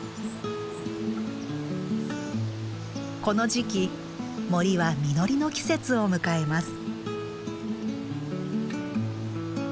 この時期森は実りの季節を迎えます。